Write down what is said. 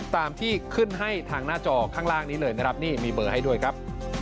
ตามที่ขึ้นให้ทางหน้าจอข้างล่างนี้เลยนะครับนี่มีเบอร์ให้ด้วยครับ